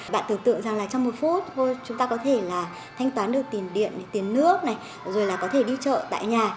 bạn tưởng tượng rằng trong một phút chúng ta có thể thanh toán được tiền điện tiền nước rồi có thể đi chợ tại nhà